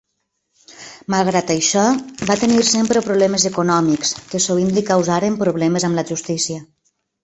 Malgrat això va tenir sempre problemes econòmics, que sovint li causaren problemes amb la justícia.